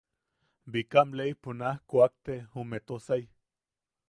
Bikam leipo naj kuakte jume Tosai.